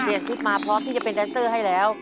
เปลี่ยนชุดมาเพราะที่จะเป็นแดนเซอร์ให้แล้ว